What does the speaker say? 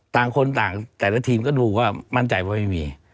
แต่ละทีมก็ดูว่ามั่นใจว่าไม่มี